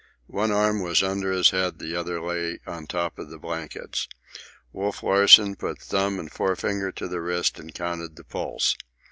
One arm was under his head, the other lay on top of the blankets. Wolf Larsen put thumb and forefinger to the wrist and counted the pulse.